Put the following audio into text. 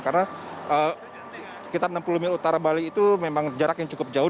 karena sekitar enam puluh mil utara bali itu memang jarak yang cukup jauh